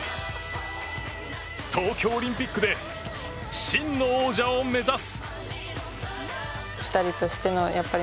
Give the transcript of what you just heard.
東京オリンピックで真の王者を目指す。